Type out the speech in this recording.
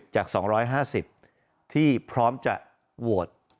จาก๒๕๐ที่พร้อมจะโหวต